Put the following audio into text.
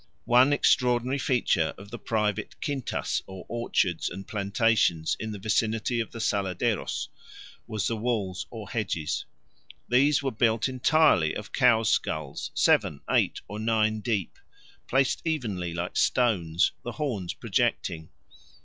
One extraordinary feature of the private quintas or orchards and plantations in the vicinity of the Saladeros was the walls or hedges. These were built entirely of cows' skulls, seven, eight, or nine deep, placed evenly like stones, the horns projecting.